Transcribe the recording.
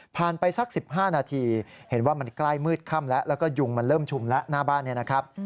ไปสัก๑๕นาทีเห็นว่ามันใกล้มืดค่ำแล้วแล้วก็ยุงมันเริ่มชุมแล้วหน้าบ้านเนี่ยนะครับ